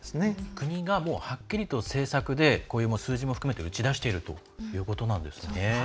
国がはっきりと政策でこういう数字も含めて打ち出しているということなんですね。